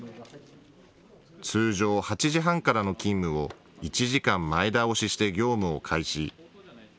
通常、８時半からの勤務を１時間前倒しして業務を開始。